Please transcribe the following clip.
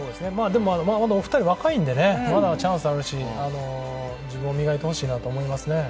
お二人、若いんで、まだチャンスあるし、自分を磨いてほしいなと思いますね。